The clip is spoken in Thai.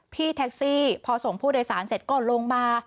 พี่แท็กซี่พอส่งผู้โดยสารเสร็จก็ลงมา